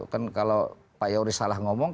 kalau pak iorist salah ngomong